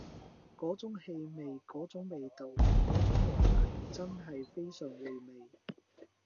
嗰種氣味嗰種味道嗰種和諧真係非常回味